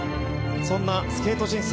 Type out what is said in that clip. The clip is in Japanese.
そんなスケート人生